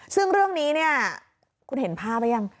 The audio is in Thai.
ซึ่งเรื่องนี้เนี่ยคุณเห็นภาพหรือยัง